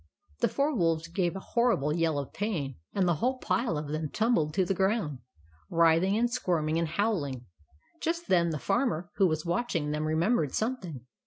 The four wolves gave a horrible yell of pain ; and the whole pile of them tumbled to the ground, writh ing and squirming and howling. Just then the Farmer, who was watching them, remem bered something.